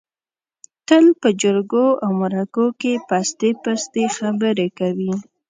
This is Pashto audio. تل په جرگو او مرکو کې پستې پستې خبرې کوي.